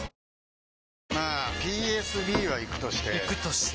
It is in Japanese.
まあＰＳＢはイクとしてイクとして？